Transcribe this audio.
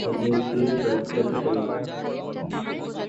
আর একদিন পাইপটা ফেটে গেল।